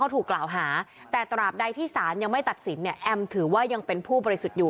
ถูกกล่าวหาแต่ตราบใดที่สารยังไม่ตัดสินเนี่ยแอมถือว่ายังเป็นผู้บริสุทธิ์อยู่